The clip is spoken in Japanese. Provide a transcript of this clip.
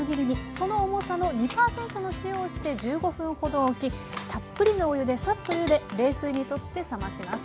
その重さの２％の塩をして１５分ほどおきたっぷりのお湯でサッとゆで冷水に取って冷まします。